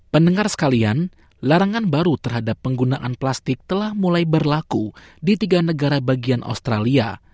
pendengar sekalian larangan baru terhadap penggunaan plastik telah mulai berlaku di tiga negara bagian australia